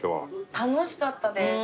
楽しかったです。